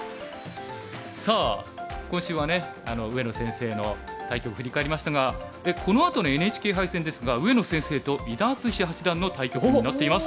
さあ今週は上野先生の対局振り返りましたがこのあとのＮＨＫ杯戦ですが上野先生と伊田篤史八段の対局になっています。